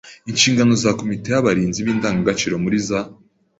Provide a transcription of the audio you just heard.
Inshingano za komite y’abarinzi b’indangagaciro muri za